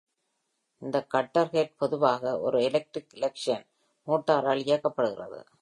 இந்த cutter head பொதுவாக ஒரு எலக்ட்ரிக் இண்டக்ஷன் மோட்டாரால் இயக்கப்படுகிறது.